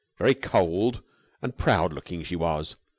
Very cold and proud looking she was!